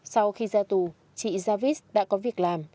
sau khi ra tù chị javis đã có việc làm